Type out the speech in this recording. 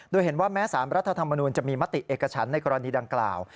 โดยเห็นว่าแม้สารรัฐธรรมนูลจะมีมติเอกฉันในกรณีดังกล่าว